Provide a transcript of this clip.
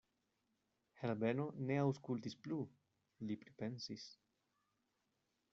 Herbeno ne aŭskultis plu; li pripensis.